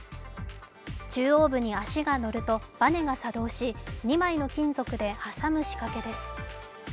中央部に足が乗るとバネが作動し２枚の金属で挟む仕掛けです。